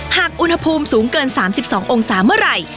หากอุณหภูมิสูงเกิน๓๒องศาเมื่อไหร่